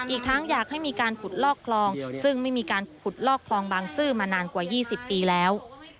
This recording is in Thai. อีกทั้งอยากให้มีการขุดลอกคลองซึ่งไม่มีการขุดลอกคลองบางซื่อมานานกว่า๒๐ปีแล้ว